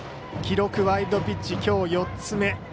記録、ワイルドピッチきょう４つ目。